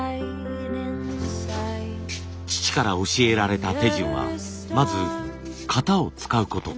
父から教えられた手順はまず型を使うこと。